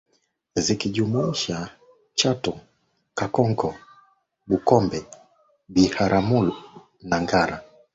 Zikijumuisha Chato Kakonko Bukombe Biharamulo na Ngara